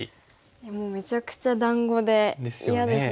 もうめちゃくちゃ団子で嫌ですね。